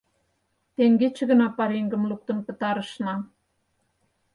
— Теҥгече гына пареҥгым луктын пытарышна.